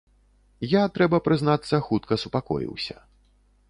Я, трэба прызнацца, хутка супакоіўся.